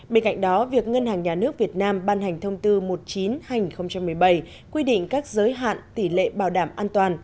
bên cạnh đó việc ngân hàng nhà nước việt nam ban hành thông tư một mươi chín hai nghìn một mươi bảy quy định các giới hạn tỷ lệ bảo đảm an toàn